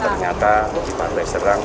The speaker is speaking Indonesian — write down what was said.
dari puncak bukit kawasan wisata pantai serang